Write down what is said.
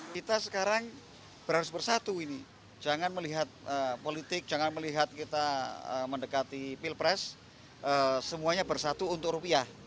kita sekarang harus bersatu ini jangan melihat politik jangan melihat kita mendekati pilpres semuanya bersatu untuk rupiah